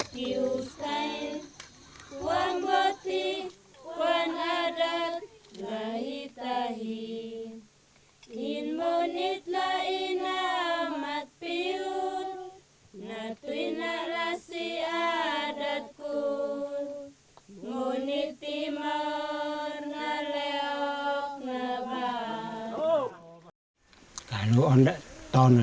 keduanya tidak terpisahkan dari cati diri mereka sebagai orang dawan